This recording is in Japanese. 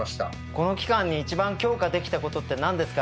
この期間に一番強化できたことって何ですか？